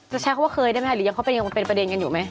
จะแชลค์ว่าเคยได้ไหมหรือยังเป็นพอเด่นอยู่ไหม